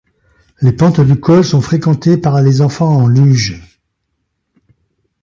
Les pentes du col sont fréquentés par les enfants en luge.